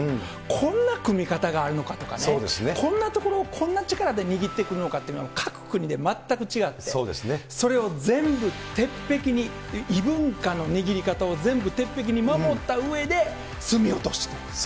こんな組み方があるのかとかね、こんなところを、こんな力で握ってくるのかっていうのは、各国で全く違って、それを全部鉄壁に、異文化の握り方を全部鉄壁に守ったうえで、隅落としと。